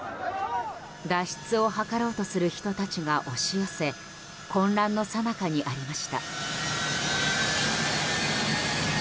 脱出を図ろうとする人たちが押し寄せ混乱のさなかにありました。